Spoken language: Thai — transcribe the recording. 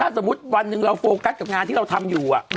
สมมุติวันหนึ่งเราโฟกัสกับงานที่เราทำอยู่